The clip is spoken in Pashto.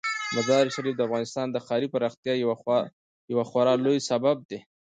مزارشریف د افغانستان د ښاري پراختیا یو خورا لوی سبب دی.